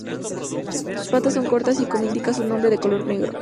Sus patas son cortas y como indica su nombre de color negro.